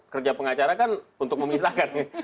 kerja pengacara kan untuk memisahkan nih